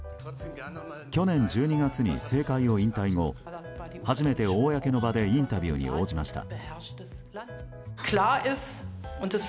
去年１２月に政界を引退後初めて公の場でインタビューに応じました。